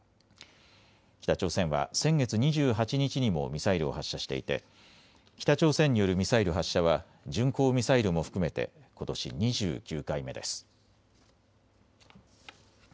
北朝鮮は先月２８日にもミサイルを発射していて北朝鮮によるミサイル発射は巡航ミサイルも含めてことし２９回目です。